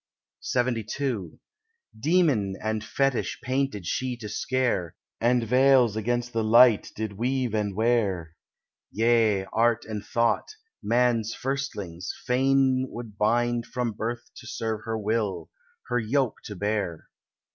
LXXII Demon and fetish painted she to scare, And veils against the light did weave and wear; Yea, Art and Thought, man's firstlings, fain would bind From birth to serve her will, her yoke to bear.